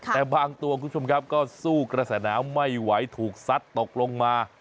แต่บางตัวคุณผู้ชมครับก็สู้กระแสน้ำไม่ไหวถูกซัดตกลงมา